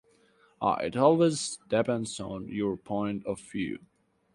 It always depends on your point of view.